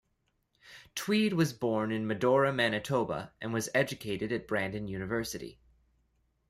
Tweed was born in Medora, Manitoba, and was educated at Brandon University.